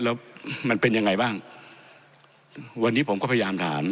แล้วมันเป็นยังไงบ้างวันนี้ผมก็พยายามถาม